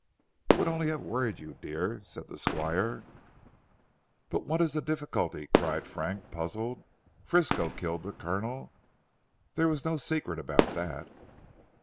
"It would only have worried you, dear," said the Squire. "But what is the difficulty?" cried Frank puzzled. "Frisco killed the Colonel. There was no secret about that."